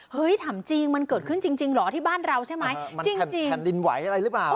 ถามจริงมันเกิดขึ้นจริงจริงเหรอที่บ้านเราใช่ไหมจริงแผ่นดินไหวอะไรหรือเปล่า